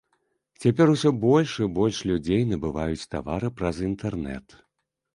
Цяпер усё больш і больш людзей набываюць тавары праз інтэрнэт.